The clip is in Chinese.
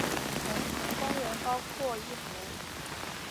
龙潭公园包括一湖。